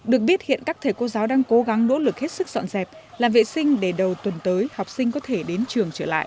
được biết hiện các thầy cô giáo đang cố gắng nỗ lực hết sức dọn dẹp làm vệ sinh để đầu tuần tới học sinh có thể đến trường trở lại